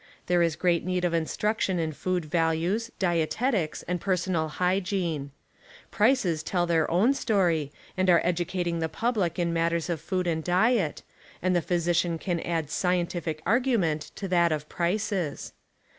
There is great need of instruction in Personal T^ 1 food values, dietetics and personal hvgiene. Prices Preparedness '■"^. tell their own story and are educating the pub lic in matters of food and diet, and the physician can add scien tific argument to that of prices.